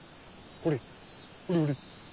ほれほれ。